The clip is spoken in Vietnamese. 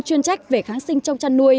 chuyên trách về kháng sinh trong trăn nuôi